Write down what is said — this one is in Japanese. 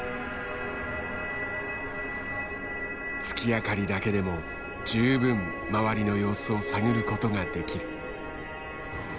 月明かりだけでも十分周りの様子を探ることができる。